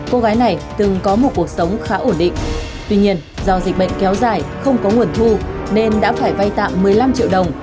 cô gái này từng có một cuộc sống khá ổn định tuy nhiên do dịch bệnh kéo dài không có nguồn thu nên đã phải vay tạm một mươi năm triệu đồng